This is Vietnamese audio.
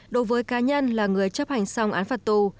đối với cá nhân là người chấp hành xong án phạt tù